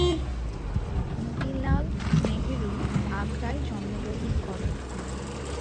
মতিলাল নেহেরু আগ্রায় জন্মগ্রহণ করেন।